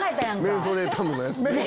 メンソレータムのやつ。